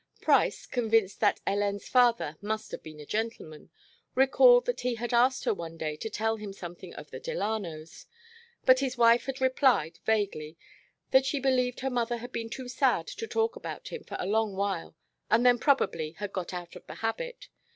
Price, convinced that Hélène's father must have been a gentleman, recalled that he had asked her one day to tell him something of the Delanos, but his wife had replied vaguely that she believed her mother had been too sad to talk about him for a long while, and then probably had got out of the habit.